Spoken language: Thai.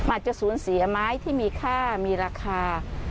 อาจจะสูญเสียไม้ที่มีค่ามีราคา